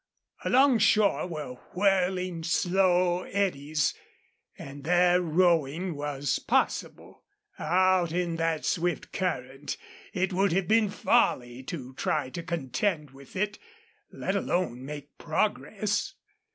Along shore were whirling, slow eddies, and there rowing was possible. Out in that swift current it would have been folly to try to contend with it, let alone make progress.